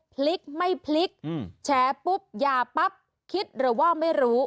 พลิกไม่พลิกแฉปุ๊บหย่าปั๊บคิดหรือว่าไม่รู้